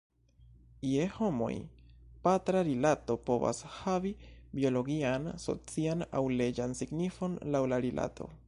Je homoj, patra rilato povas havi biologian, socian, aŭ leĝan signifon, laŭ la rilato.